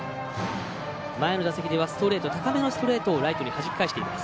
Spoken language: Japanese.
前の打席では高めのストレートをライトにはじき返しています。